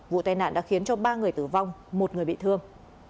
vụ tai nạn đã khiến cho ba người tử vong một người bị thương